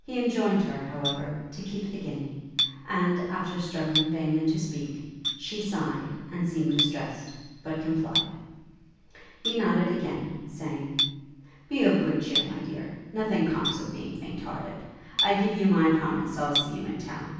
He enjoined her, however, to keep the guinea, and, after struggling vainly to speak, she sighed, and seemed distressed, but complied. He nodded again, saying, 'Be of good cheer, my dear. Nothing comes of being faint hearted. I give you my promise I'll see you in town.